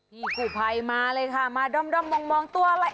พี่กู้ภัยมาเลยค่ะมาด้อมมองตัวอะไร